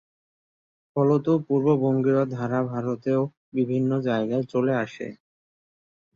ফলত পূর্ববঙ্গীয় ধারা ভারতেও বিভিন্ন জায়গায় চলে আসে।